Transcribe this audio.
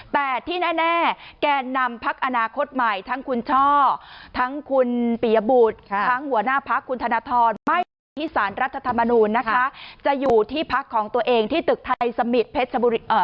แต่ที่แน่แกนนำพักอนาคตใหม่ทั้งคุณช่อทั้งคุณปียบุตรทั้งหัวหน้าพักคุณธนทรไม่ไปที่สารรัฐธรรมนูญนะคะจะอยู่ที่พักของตัวเองที่ตึกไทยสมิตรเพชรบุรี